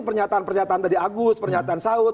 pernyataan pernyataan tadi agus pernyataan saud